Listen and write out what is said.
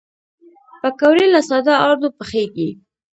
پکورې له ساده آردو پخېږي